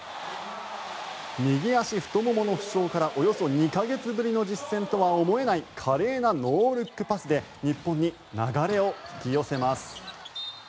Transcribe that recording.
右足太ももの負傷からおよそ２か月ぶりの実戦とは思えない華麗なノールックパスで日本に流れを引き寄せます。